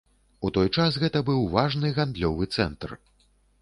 У той час гэта быў важны гандлёвы цэнтр.